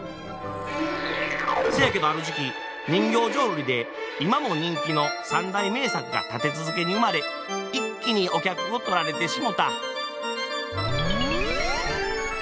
そやけどある時期人形浄瑠璃で今も人気の三大名作が立て続けに生まれ一気にお客を取られてしもた。